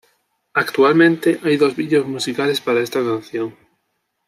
Actualmente hay dos videos musicales para esta canción.